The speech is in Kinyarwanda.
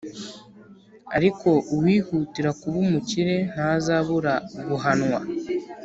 ariko uwihutira kuba umukire ntazabura guhanwa